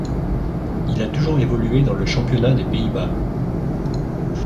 Il a toujours évolué dans le championnat des Pays-Bas.